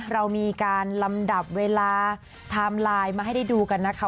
เรามีการลำดับเวลาไทม์ไลน์มาให้ได้ดูกันนะคะ